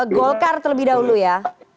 golkar terlebih dahulu ya